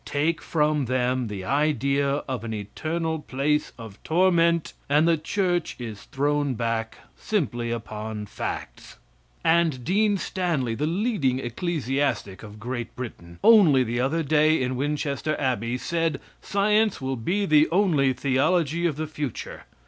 Take from them the idea of an eternal place of torment, and the Church is thrown back simply upon facts. And Dean Stanley, the leading ecclesiastic of Great Britain, only the other day in Winchester Abbey, said science will be the only theology of the future.